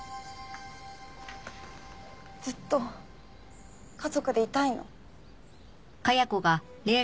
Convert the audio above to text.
ずっと家族でいたいの。